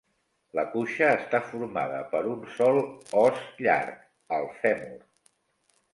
La cuixa està formada per un sol os llarg: el fèmur.